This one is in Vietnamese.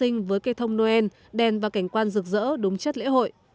giáng sinh với cây thông noel đèn và cảnh quan rực rỡ đúng chất lễ hội